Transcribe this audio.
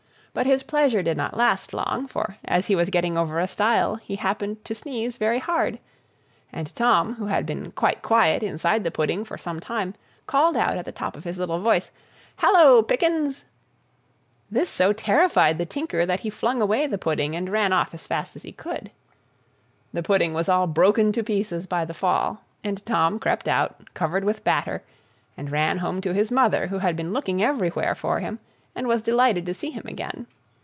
But his pleasure did not last long, for, as he was getting over a stile, he happened to sneeze very hard, and Tom, who had been quite quiet inside the pudding for some time, called out at the top of his little voice, "Hallo, Pickens!" This so terrified the tinker that he flung away the pudding, and ran off as fast as he could. The pudding was all broken to pieces by the fall, and Tom crept out, covered with batter, and ran home to his mother, who had been looking everywhere for him, and was delighted to see him again.